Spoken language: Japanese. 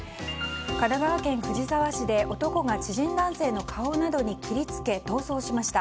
神奈川県藤沢市で男が知人男性の顔などに切りつけ逃走しました。